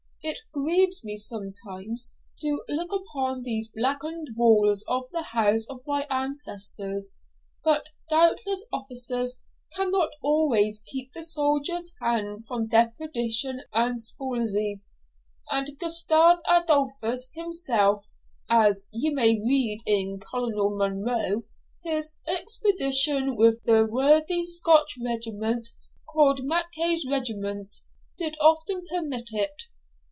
It grieves me sometimes to look upon these blackened walls of the house of my ancestors; but doubtless officers cannot always keep the soldier's hand from depredation and spuilzie, and Gustavus Adolphus himself, as ye may read in Colonel Munro his "Expedition with the Worthy Scotch Regiment called Mackay's Regiment" did often permit it.